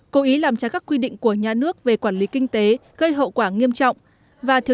cố ý làm trái các quy định của nhà nước về quản lý kinh tế gây hậu quả nghiêm trọng và thiếu